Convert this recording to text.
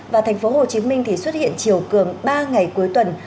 và tp hcm thì xuất hiện chiều cường ba ngày cuối tuần